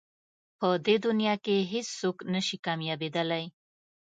په دې دنیا کې هېڅ څوک نه شي کامیابېدلی.